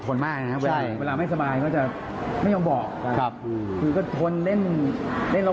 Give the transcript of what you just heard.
ผมก็ได้ไปใส่หลักแล้วก็ขอให้น้องตาล